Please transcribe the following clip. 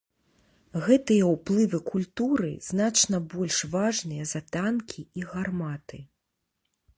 Гэтыя ўплывы культуры значна больш важныя за танкі і гарматы.